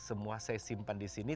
semua saya simpan di sini